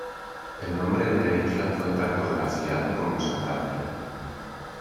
El nombre de la isla fue cartografiado como Santa María.